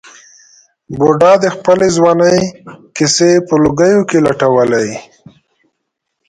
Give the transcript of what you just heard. بوډا د خپلې ځوانۍ کیسې په لوګیو کې لټولې.